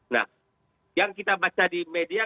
nah yang kita baca di media